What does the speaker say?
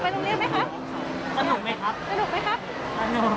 สนุกไหมครับ